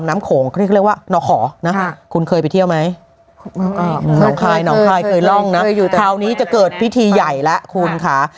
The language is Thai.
เมื่อนี้จะเกิดพิธีใหญ่และ